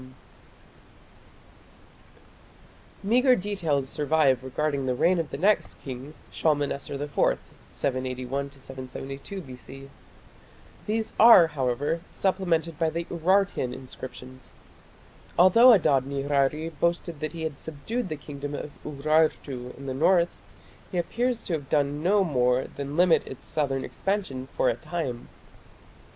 Meagre details survive regarding the reign of the next king, Shalmaneser IV (781 772 B.C). These are, however, supplemented by the Urartian inscriptions. Although Adad nirari boasted that he had subdued the kingdom of Urartu in the north, he appears to have done no more than limit its southern expansion for a time.